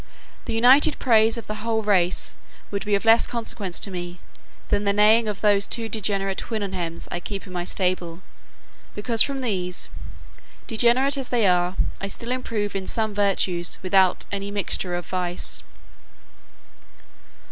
The united praise of the whole race would be of less consequence to me, than the neighing of those two degenerate Houyhnhnms I keep in my stable; because from these, degenerate as they are, I still improve in some virtues without any mixture of vice.